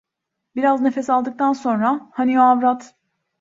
Biraz nefes aldıktan sonra: "Hani o avrat…"